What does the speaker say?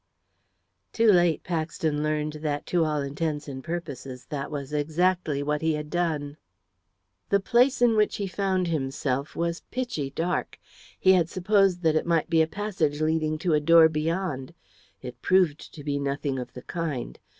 Too late Paxton learned that, to all intents and purposes, that was exactly what he had done. The place in which he found himself was pitchy dark. He had supposed that it might be a passage leading to a door beyond. It proved to be nothing of the kind.